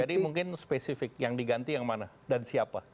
jadi mungkin spesifik yang diganti yang mana dan siapa